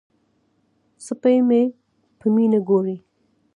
سپی مې په مینه ګوري.